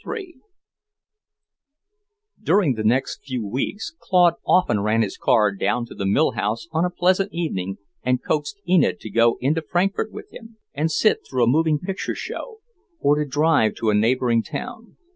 III During the next few weeks Claude often ran his car down to the mill house on a pleasant evening and coaxed Enid to go into Frankfort with him and sit through a moving picture show, or to drive to a neighbouring town.